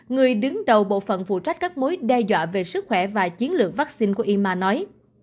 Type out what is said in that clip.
người đứng đầu bộ phận phụ trách các mối đe dọa về sức khỏe và chiến lược vaccine của ima nói